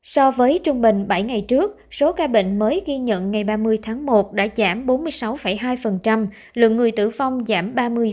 so với trung bình bảy ngày trước số ca bệnh mới ghi nhận ngày ba mươi tháng một đã giảm bốn mươi sáu hai lượng người tử vong giảm ba mươi hai